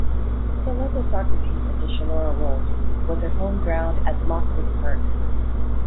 The local soccer team is the Chullora Wolves, with their homeground at Lockwood Park.